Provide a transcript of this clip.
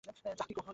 যাহ কি হল!